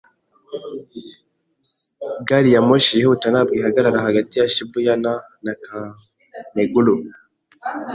Gari ya moshi yihuta ntabwo ihagarara hagati ya Shibuya na Naka-Meguro.